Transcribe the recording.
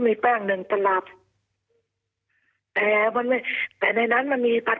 มีเงินอยู่๒๓๐๐บาท